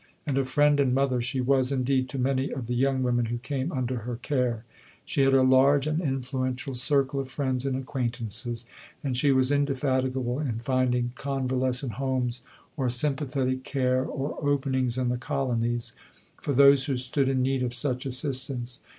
And a friend and mother she was indeed to many of the young women who came under her care. She had a large and influential circle of friends and acquaintances, and she was indefatigable in finding convalescent homes or sympathetic care, or openings in the Colonies, for those who stood in need of such assistance.